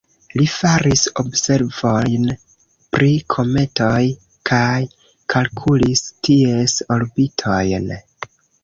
Li faris observojn pri kometoj kaj kalkulis ties orbitojn.